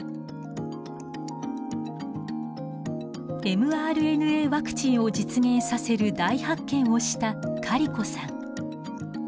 ｍＲＮＡワクチンを実現させる大発見をしたカリコさん。